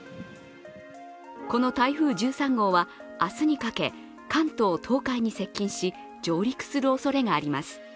この台風１３号は明日にかけ関東、東海に接近し、上陸するおそれがあります。